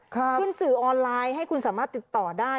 ขึ้นสื่อออนไลน์ให้คุณสามารถติดต่อได้